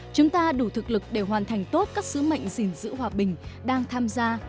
chúng ta đủ thực lực để hoàn thành tốt các sứ mệnh gìn giữ hòa bình đang tham gia